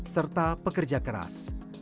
serta pekerja keras